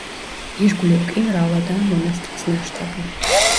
ირგვლივ კი მრავლადაა მონასტრის ნაშთები.